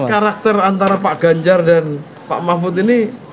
karakter antara pak ganjar dan pak mahfud ini